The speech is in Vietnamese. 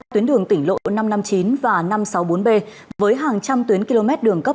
tuyến đường tỉnh lộ năm trăm năm mươi chín và năm trăm sáu mươi bốn b với hàng trăm tuyến km đường cấp